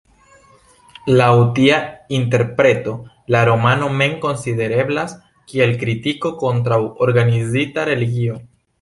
Laŭ tia interpreto la romano mem konsidereblas kiel kritiko kontraŭ organizita religio.